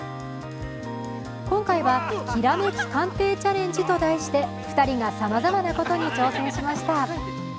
今回は、きらめき鑑定チャレンジと題して２人がさまざまなことに挑戦しました。